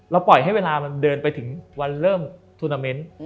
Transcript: ปล่อยให้เวลามันเดินไปถึงวันเริ่มทูนาเมนต์